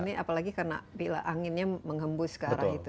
ini apalagi karena bila anginnya menghembus ke arah itu